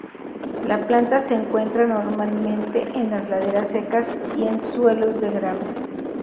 La planta se encuentra normalmente en las laderas secas y en suelos de grava.